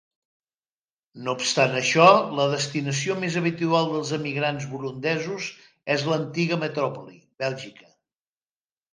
No obstant això, la destinació més habitual dels emigrants burundesos és l'antiga metròpoli, Bèlgica.